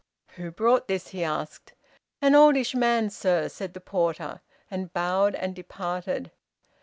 "Who brought this?" he asked. "An oldish man, sir," said the porter, and bowed and departed.